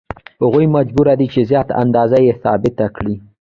هغه مجبور دی چې زیاته اندازه یې ثابته کړي